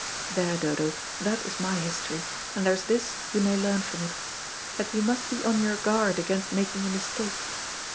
There, Dodo, that is my history, and there is this you may learn from it, that you must be on your guard against making a mistake.